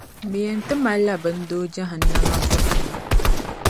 Bɛ yɛn ti malila bindoo Jahannama buɣum ni.